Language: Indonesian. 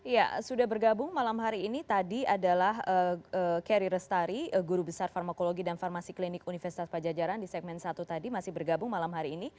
ya sudah bergabung malam hari ini tadi adalah kerry restari guru besar farmakologi dan farmasi klinik universitas pajajaran di segmen satu tadi masih bergabung malam hari ini